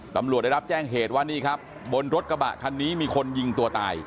ตำรวจได้รับแจ้งเหตุว่านี่ครับบนรถกระบะคันนี้มีคนยิงตัวตาย